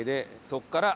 そこから。